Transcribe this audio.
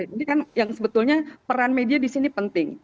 ini kan yang sebetulnya peran media di sini penting